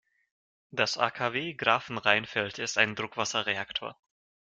Das AKW Grafenrheinfeld ist ein Druckwasserreaktor.